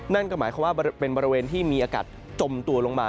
นั่นก็หมายความว่าเป็นบริเวณที่มีอากาศจมตัวลงมา